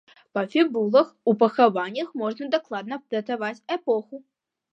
Па фібулах у пахаваннях можна дакладна датаваць эпоху.